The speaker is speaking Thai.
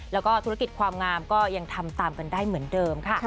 แล้วก็ธุรกิจความงามก็ยังทำตามกันได้เหมือนเดิมค่ะ